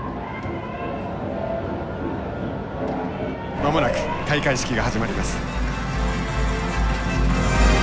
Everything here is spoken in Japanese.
「間もなく開会式が始まります」。